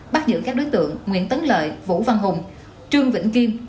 bắt giữ các đối tượng nguyễn tấn lợi vũ văn hùng trương vĩnh kim